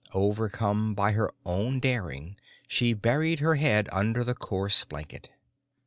Overcome by her own daring she buried her head under the coarse blanket.